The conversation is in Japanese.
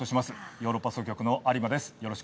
ヨーロッパ総局の有馬です。